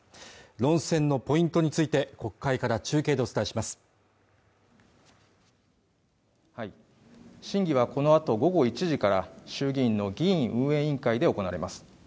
論戦のポイントについて国会から中継でお伝えします審議はこのあと午後１時から衆議院の議院運営委員会で行われます